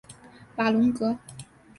瓦龙格。